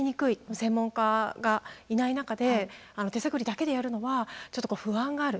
専門家がいない中で手探りだけでやるのはちょっと不安がある。